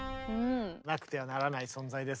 なくてはならない存在です